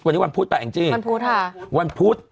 วันนี้วันพุธไปแองจี้วันพุธค่ะวันพุธ